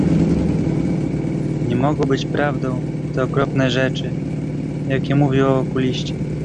"Nie mogą być prawdą te okropne rzeczy, jakie mówił o okuliście."